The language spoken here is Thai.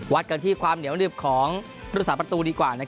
วัดกันที่ความเหนียวหนึ่บของรุษาประตูดีกว่า